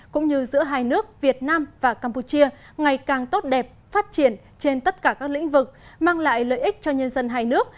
cũng như giữa hai nước việt nam và campuchia ngày càng tốt đẹp phát triển trên tất cả các lĩnh vực mang lại lợi ích cho nhân dân hai nước